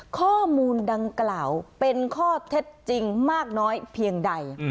ข้อมูลดังกล่าวเป็นข้อเท็จจริงมากน้อยเพียงใด